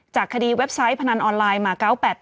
คดีเว็บไซต์พนันออนไลน์มา๙๘๘